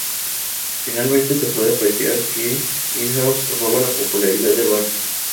Finalmente, se puede apreciar que Milhouse roba la popularidad de Bart.